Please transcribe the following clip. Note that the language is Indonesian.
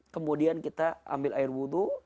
kemudian kita ambil air wudhu